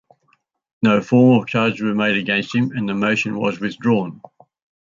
No formal charges were made against him, and the motion was withdrawn.